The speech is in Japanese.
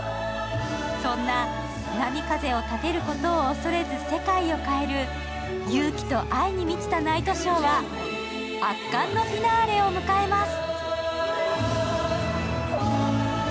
そんな波風を立てることを恐れず世界を変える勇気と愛に満ちたナイトショーは、圧巻のフィナーレを迎えます。